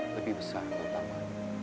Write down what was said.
lebih besar dan utama